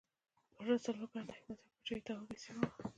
پوره څلور کاله د حکمتیار پاچاهۍ توابع سیمه وه.